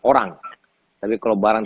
orang tapi kalau barang